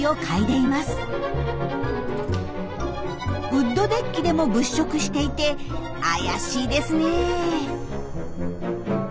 ウッドデッキでも物色していて怪しいですねえ。